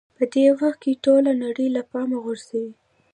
په دې وخت کې ټوله نړۍ له پامه غورځوئ.